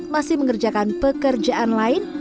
masih mengerjakan pekerjaan lain